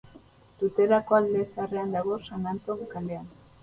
Tuterako Alde Zaharrean dago, San Anton kalean.